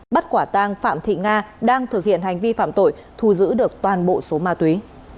bắt quả tang phạm thị nga đang thực hiện hành vi phạm tội thu giữ được toàn bộ số ma túy